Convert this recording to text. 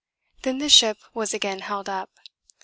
Then the ship was again held up.